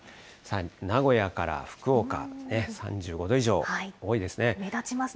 名古屋から福岡、３５度以上、多いですね。